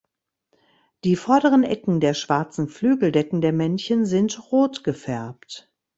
Die vorderen Ecken der schwarzen Flügeldecken der Männchen sind rot gefärbt.